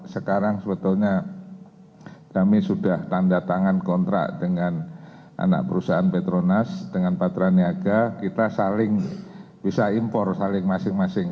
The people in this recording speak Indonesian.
sekarang sebetulnya kami sudah tanda tangan kontrak dengan anak perusahaan petronas dengan patraniaga kita saling bisa impor saling masing masing